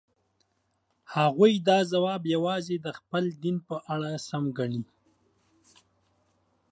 هغوی دا ځواب یوازې د خپل دین په اړه سم ګڼي.